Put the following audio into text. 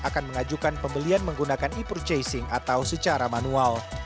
akan mengajukan pembelian menggunakan e purchasing atau secara manual